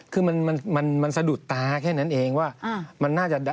คือมันสะดุดตาแค่นั้นเองว่า